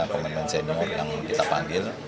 pemain pemain senior yang kita panggil